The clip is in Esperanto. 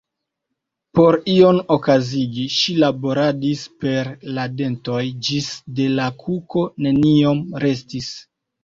Por ion okazigi, ŝi laboradis per la dentoj ĝis de la kuko neniom restis.